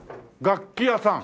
楽器屋さん。